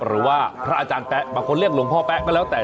หรือว่าพระอาจารย์แป๊ะบางคนเรียกหลวงพ่อแป๊ะก็แล้วแต่